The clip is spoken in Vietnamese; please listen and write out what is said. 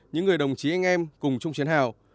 những người đồng chí anh em cùng chung chiến hào